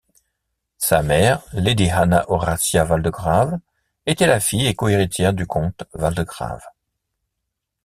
Sa mère, Lady Anna Horatia Waldegrave, était la fille et co-héritière du comte Waldegrave.